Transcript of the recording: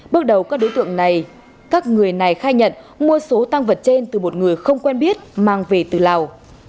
bước đầu các đối tượng này các người này khai nhận mua số tăng vật trên từ một người không quen biết mang về từ lào